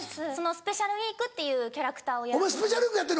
スペシャルウィークっていうキャラクターを。